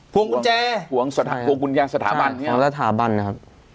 ภวงกุญแจภวงภวงกุญญาณสถาบันใช่ครับภวงสถาบันนะครับ